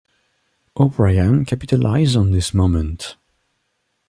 O'Brien capitalized on this moment.